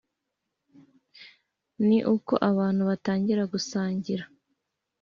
Ni uko abantu batangira gusangira